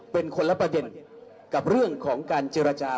เป็นคนละประเด็นกับเรื่องของการเจรจา